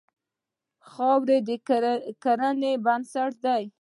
خاوره د کرنې بنسټ دی.